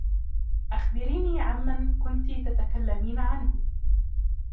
أخبريني عمّن كنتِ تتكلّمين عنه.